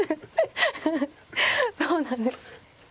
そうなんですね。